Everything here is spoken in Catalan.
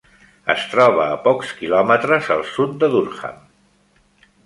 Es troba a pocs quilòmetres al sud de Durham.